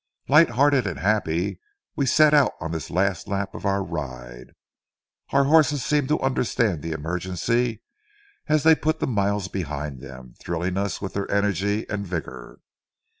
Lighthearted and happy, we set out on this last lap of our ride. Our horses seemed to understand the emergency, as they put the miles behind them, thrilling us with their energy and vigor.